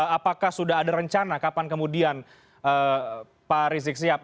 apakah sudah ada rencana kapan kemudian pak rizik sihab